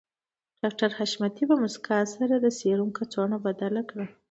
ډاکټر حشمتي په مسکا سره د سيرومو کڅوړه بدله کړه